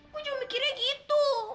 gue juga mikirnya gitu